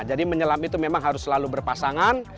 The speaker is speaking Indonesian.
jadi penyelam itu memang harus selalu berpasangan